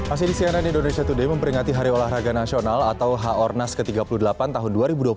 asli di cnn indonesia today memperingati hari olahraga nasional atau h o r n a s ke tiga puluh delapan tahun dua ribu dua puluh satu